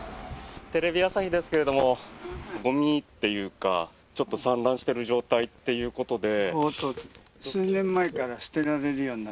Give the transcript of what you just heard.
テレビ朝日ですけれどもゴミというか、ちょっと散乱してる状態ということで。